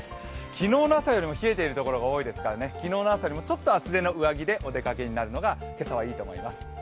昨日の朝よりも冷えているところが多いですからね、昨日の朝よりもちょっと厚手の上着でお出かけするのが今朝はいいと思います。